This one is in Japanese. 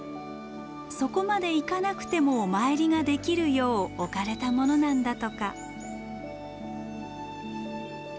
そこまで行かなくてもお参りができるよう置かれたものなんだとか。